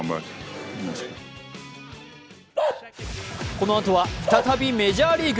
このあとは再びメジャーリーグ。